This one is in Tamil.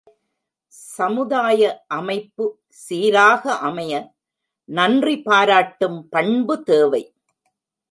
சமுதாய அமைப்பு சீராக அமைய நன்றி பாராட்டும் பண்பு தேவை.